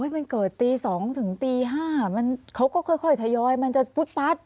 มันเกิดตี๒ถึงตี๕เขาก็ค่อยทยอยมันจะฟุ๊ดปั๊ด